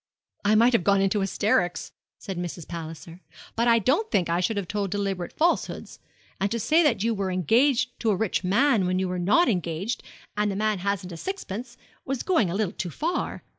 'I might have gone into hysterics,' said Mrs. Palliser, 'but I don't think I should have told deliberate falsehoods: and to say that you were engaged to a rich man when you were not engaged, and the man hasn't a sixpence, was going a little too far.